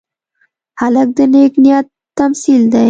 هلک د نیک نیت تمثیل دی.